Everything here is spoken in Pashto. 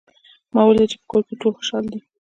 ما ولیدل چې په کور کې ټول خوشحال دي